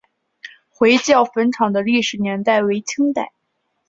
回教坟场的历史年代为清代。